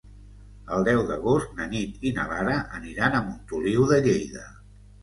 El deu d'agost na Nit i na Lara aniran a Montoliu de Lleida.